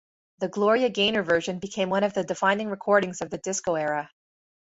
The Gloria Gaynor version became one of the defining recordings of the disco era.